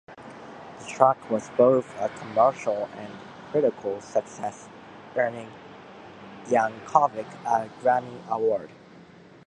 The track was both a commercial and critical success, earning Yankovic a Grammy Award.